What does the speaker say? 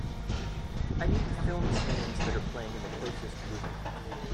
I need the films names that are playing in the closest movie house